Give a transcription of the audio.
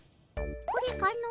これかの？